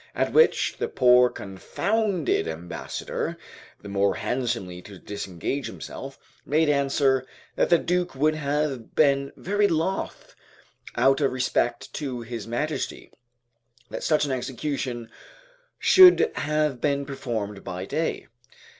At which the poor confounded ambassador, the more handsomely to disengage himself, made answer, that the Duke would have been very loth, out of respect to his Majesty, that such an execution should have been performed by day.